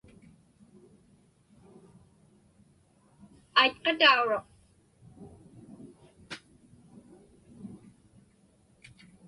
Aitqatauruq.